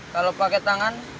kalau pakai tangan